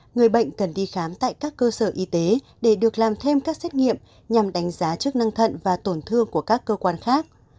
người bệnh cần đi khám tại các cơ sở y tế để được làm thêm các xét nghiệm nhằm đánh giá chức năng thận và tổn thương của các cơ quan khác